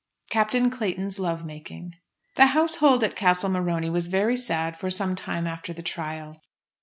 CAPTAIN CLAYTON'S LOVE MAKING. The household at Castle Morony was very sad for some time after the trial.